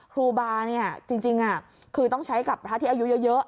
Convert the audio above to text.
ครูบาจริงคือต้องใช้กับพระที่อายุเยอะ